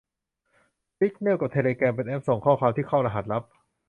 ซิกแนลกับเทเลแกรมเป็นแอปส่งความที่เข้ารหัสลับ